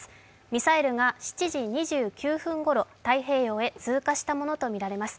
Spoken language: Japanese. ミサイルが７時２９分ごろ、太平洋へ通過したものとみられます。